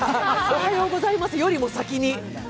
おはようございますよりも先に。